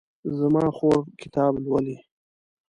زما خور کتاب لولي